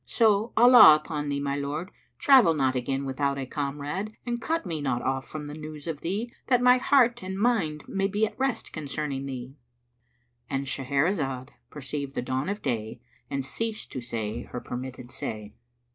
So, Allah upon thee, O my lord, travel not again without a comrade and cut me not off from news of thee, that my heart and mind may be at rest concerning thee!"—And Shahrazad perceived the dawn of day and ceased to say her permitted say.